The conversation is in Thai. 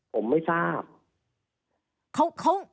ผมไม่ทราบ